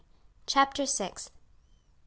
CHAPTER SIXTH.